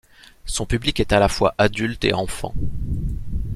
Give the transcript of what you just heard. Son public est est à la fois adulte et enfant.